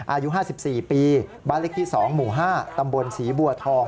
อายุ๕๔ปีบ้านเล็กที่๒หมู่๕ตำบลศรีบัวทอง